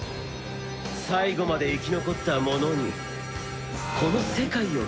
最後まで生き残った者にこの世界を決める権利を与える。